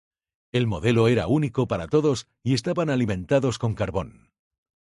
El modelo era único para todos y estaban alimentados con carbón.